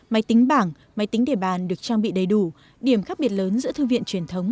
máy tính bảng máy tính để bàn được trang bị đầy đủ điểm khác biệt lớn giữa thư viện truyền thống